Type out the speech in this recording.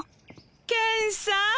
ケンさん。